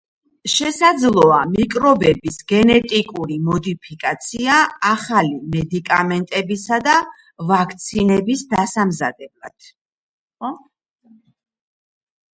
შესაძლოა მიკრობების გენეტიკური მოდიფიკაცია ახალი მედიკამენტებისა და ვაქცინების დასამზადებლად.